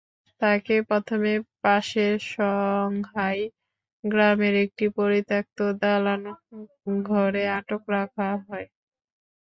তাকে প্রথমে পাশের সংহাই গ্রামের একটি পরিত্যক্ত দালান ঘরে আটক রাখা হয়।